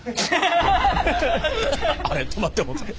あれ止まってもうた。